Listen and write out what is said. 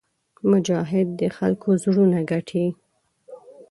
مجاهد د خلکو زړونه ګټي.